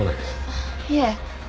あっいえ。